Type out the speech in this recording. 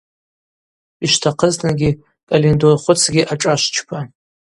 Йшвтахъызтынгьи кӏальиндор хвыцкӏгьи ашӏашвчпа.